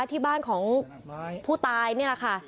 ที่บ้านของผู้ตายนี่แหละค่ะ